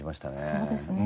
そうですね。